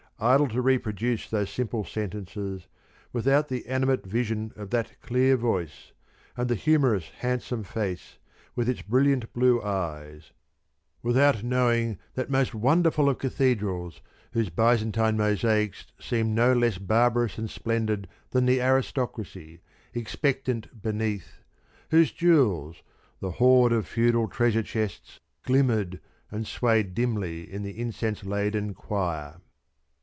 Idle to reproduce those simple sentences, without the animate vision of that clear voice, and the humorous, handsome face with its brilliant blue eyes; without knowing that most wonderful of Cathedrals, whose Byzantine mosaics seemed no less barbarous and splendid than the aristocracy, expectant beneath, whose jewels, the hoard of feudal treasure chests, glimmered and swayed dimly in the incense laden choir.